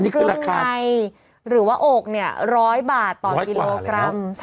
เครื่องในหรือว่าอก๑๐๐บาทต่อกิโลกรัม